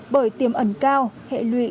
bởi tiềm ẩn cao hệ lụy